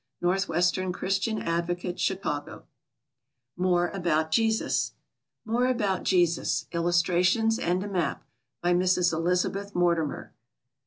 Northwestern Christian Advocate, Chicago. More about Jesus. More about Jesus. Illustrations and a Map. By Mrs. ELIZABETH MORTIMER.